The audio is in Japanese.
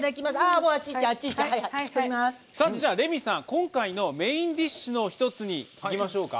今回のメインディッシュの１つにいきましょうか。